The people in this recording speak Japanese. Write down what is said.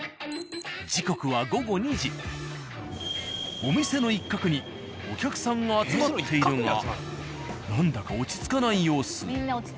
時刻はお店の一角にお客さんが集まっているが何だか落ち着かない様子。